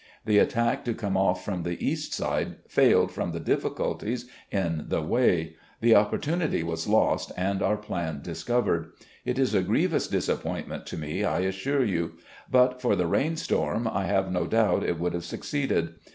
The attack to come off from the east side failed from the difficulties in the way; the opportunity was lost, and our plan discovered. It is a grievous disappointment to me, I assure you. But for the rain storm, I have no doubt it would have succeeded.